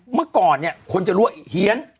เมื่อก่อนเนี่ยคนจะรู้ว่าเฮียน